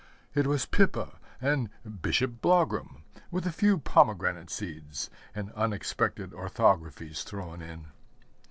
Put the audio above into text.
It was Pippa and Bishop Blougram with a few pomegranate seeds and unexpected orthographies thrown in.